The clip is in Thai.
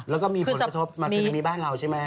แล้วก็มีผลกระทบมาซึนามิบ้านเราใช่ไหม